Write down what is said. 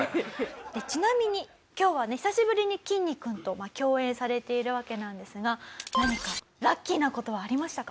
ちなみに今日はね久しぶりにきんに君と共演されているわけなんですが何かラッキーな事はありましたか？